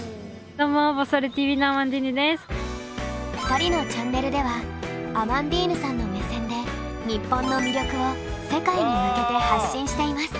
２人のチャンネルではアマンディーヌさんの目線で日本の魅力を世界に向けて発信しています。